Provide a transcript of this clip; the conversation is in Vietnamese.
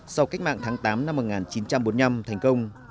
sau cách mạng tháng tám năm một nghìn chín trăm bốn mươi năm thành công